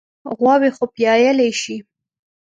غواوې خو پيايلی شي.